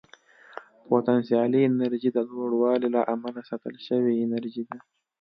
پوتنسیالي انرژي د لوړوالي له امله ساتل شوې انرژي ده.